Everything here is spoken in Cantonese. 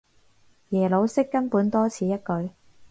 耶魯式根本多此一舉